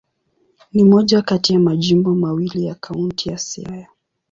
Ni moja kati ya majimbo mawili ya Kaunti ya Siaya.